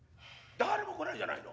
誰も来ないじゃないの。